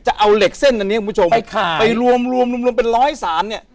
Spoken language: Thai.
จะเอาเหล็กเส้นอันนี้คุณผู้ชมไปขายไปรวมรวมรวมรวมรวมเป็นร้อยสารเนี้ย